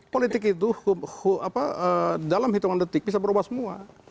politik itu dalam hitungan detik bisa berubah semua